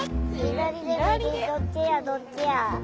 どっちやどっちや。